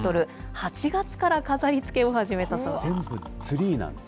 ８月から飾りつけを始めたそうです。